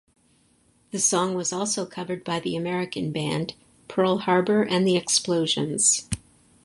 The song was also covered by the American band Pearl Harbor and the Explosions.